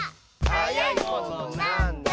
「はやいものなんだ？」